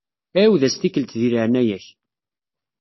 Ɛiwed-as tikkelt di leɛnaya-k.